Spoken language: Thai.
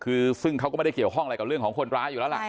คือซึ่งเขาก็ไม่ได้เกี่ยวข้องอะไรกับเรื่องของคนร้ายอยู่แล้วล่ะ